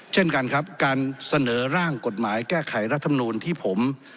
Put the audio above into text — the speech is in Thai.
เช่นกันครับการเสนอร่างกฎหมายแก้ไขรัฐมนูลที่ผม